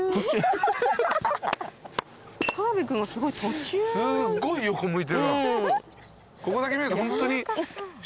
すっごい横向いてるな。